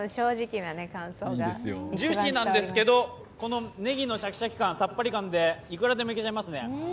ジューシーなんですけどネギのシャキシャキ感、さっぱり感でいくらでも、いけちゃいますよね。